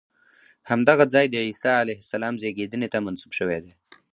همدغه ځای د عیسی علیه السلام زېږېدنې ته منسوب شوی دی.